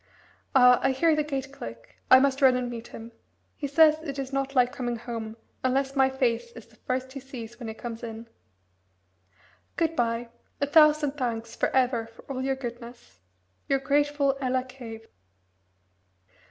Ah! I hear the gate click I must run and meet him. He says it is not like coming home unless my face is the first he sees when he comes in. Good bye. A thousand thanks for ever for all your goodness. "Your grateful Ella Cave."